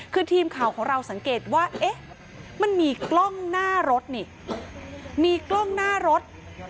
คือทีมข่าวของเราสังเกตว่าเอ๊ะมันมีกล้องหน้ารถนี่มีกล้องหน้ารถ